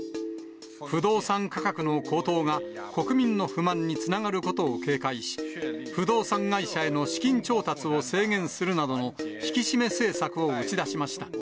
不動産価格の高騰が、国民の不満につながることを警戒し、不動産会社への資金調達を制限するなどの引き締め政策を打ち出しました。